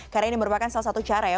karena ini merupakan salah satu cara ya